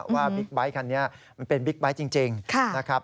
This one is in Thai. บิ๊กไบท์คันนี้มันเป็นบิ๊กไบท์จริงนะครับ